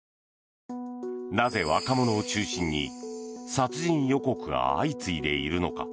なぜ若者を中心に殺人予告が相次いでいるのか。